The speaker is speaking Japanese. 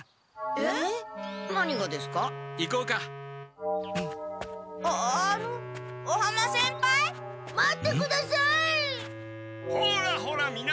えっ！？